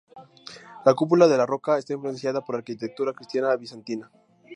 La Cúpula de la Roca está influenciada por la arquitectura cristiana bizantina.